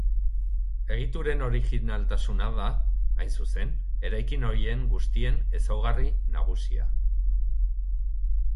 Egituren originaltasuna da, hain zuzen, eraikin horien guztien ezaugarri nagusia.